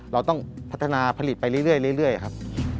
เราต้องพัฒนาผลิตไปเรื่อยครับ